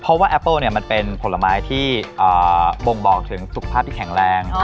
เพราะว่าแอปเปิ้ลมันเป็นผลไม้ที่บ่งบอกถึงสุขภาพที่แข็งแรง